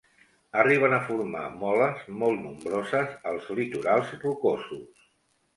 Arriben a formar moles molt nombroses als litorals rocosos.